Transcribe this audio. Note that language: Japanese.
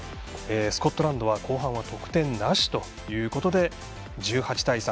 スコットランドは後半は得点なしということで１８対３。